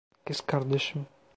Kız kardeşim.